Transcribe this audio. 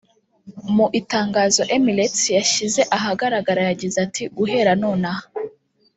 Mu itangazo Emirates yashyize ahagaragara yagize iti “Guhera nonaha